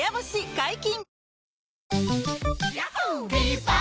解禁‼